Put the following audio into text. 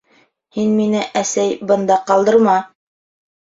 - Һин мине, әсәй, бында ҡалдырма!